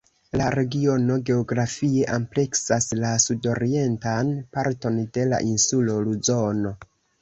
La regiono geografie ampleksas la sudorientan parton de la insulo Luzono.